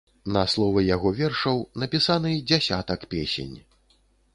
На словы яго вершаў напісаны дзясятак песень.